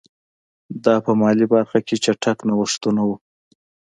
دا په مالي برخه کې چټک نوښتونه وو